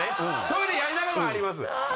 トイレやりながらはあります。